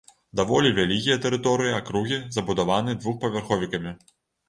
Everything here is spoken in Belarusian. Даволі вялікія тэрыторыі акругі забудаваны двухпавярховікамі.